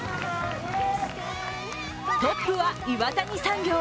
トップは岩谷産業。